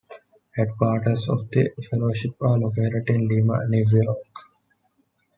Headquarters of the fellowship are located in Lima, New York.